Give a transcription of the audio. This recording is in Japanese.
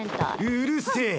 うるせぇ！